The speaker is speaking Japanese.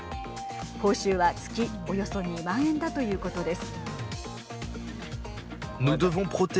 報酬は月およそ２万円だということです。